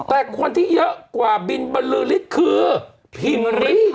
แต่คนที่เยอะกว่าบินบรือริสต์คือพิมพ์ริภาค